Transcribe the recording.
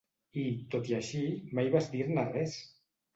I, tot i així, mai vas dir-ne res!